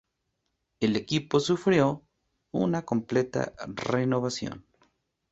El equipo sufrió una completa renovación.